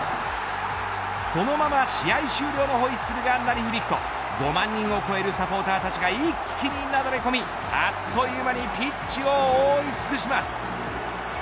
そのまま試合終了のホイッスルが鳴り響くと５万人を超えるサポーターたちが一気になだれ込みあっという間にピッチを覆い尽くします。